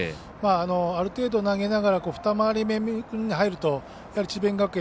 ある程度投げながら二回り目に入ると智弁学園